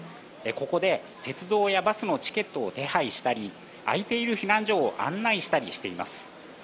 ここで鉄道やバスのチケットを手配したり空いている避難所を案内したりしています。